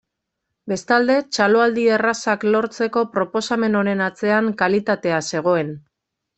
Bestalde, txaloaldi errazak lortzeko proposamen honen atzean kalitatea zegoen.